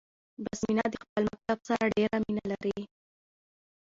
بسمينه د خپل مکتب سره ډيره مينه لري 🏫